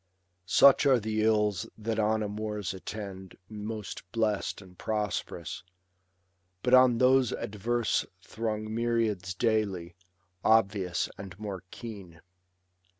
Such are the ills that on amours attend Most blest and prosperous ; but on those adverse Throng myriads daily, obvious and more keen.